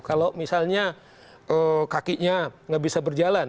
kalau misalnya kakinya nggak bisa berjalan